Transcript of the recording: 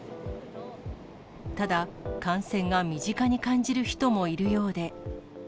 ただ、感染が身近に感じる人もいるようで。